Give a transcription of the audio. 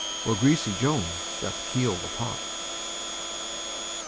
While greasy Joan doth keel the pot.